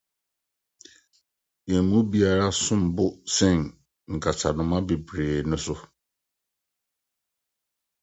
yɛn mu biara som bo sen nkasanoma bebree no so.